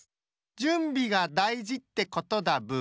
じゅんびがだいじってことだブー。